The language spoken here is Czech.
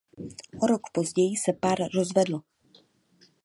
O rok později se pár rozvedl.